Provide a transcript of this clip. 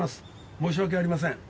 申し訳ありません。